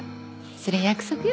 それ約束よ。